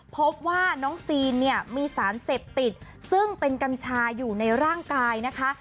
พบว่าน้องซีนเนี่ยมีสารเสพติดซึ่งเป็นกัญชาอยู่ในร่างกายนะคะ